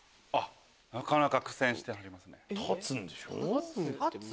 なかなか苦戦してます。